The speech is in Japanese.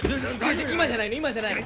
今じゃないの今じゃないの。